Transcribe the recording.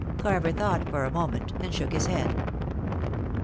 Carver thought for a moment, and shook his head.